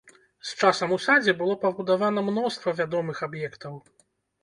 З часам у садзе было пабудавана мноства вядомых аб'ектаў.